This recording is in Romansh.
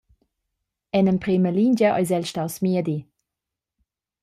En emprema lingia eis el staus miedi.